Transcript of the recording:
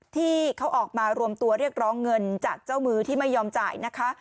ที่เขาออกมารวมตัวเรียกร้องเงินจากเจ้ามือที่ไม่ยอมจ่ายนะคะ